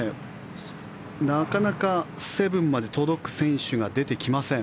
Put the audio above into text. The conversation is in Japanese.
なかなか７まで届く選手が出てきません。